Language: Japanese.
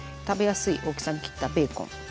食べやすい大きさに切ったベーコン。